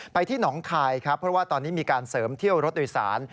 ที่หนองคายครับเพราะว่าตอนนี้มีการเสริมเที่ยวรถโดยสาร